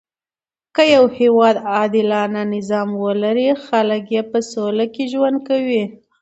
که يو هیواد عادلانه نظام ولري؛ خلک ئې په سوله کښي ژوند کوي.